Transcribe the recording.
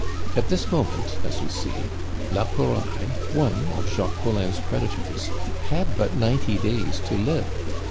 At this moment, as we see, la Pouraille, one of Jacques Collin's creditors, had but ninety days to live.